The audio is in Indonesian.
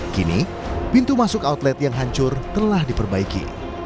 kini pintu masuk outlet yang hancur telah diperbaiki